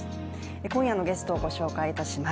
今夜のゲストをご紹介いたします。